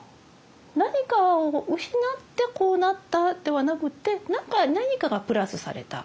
何かを失ってこうなったではなくって何かがプラスされた。